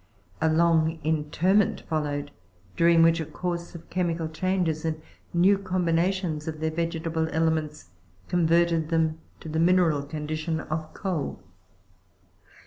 A long interment followed, during which a course of chemical changes, and new combinations of their vegetable elements, converted them to the mine ral condition of coal.